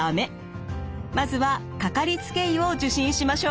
まずはかかりつけ医を受診しましょう。